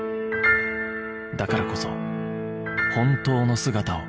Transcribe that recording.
だからこそ本当の姿を